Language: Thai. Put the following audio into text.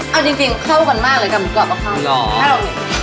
เอาจริงเข้ากันมากเลยกับหมูกรอบข้าว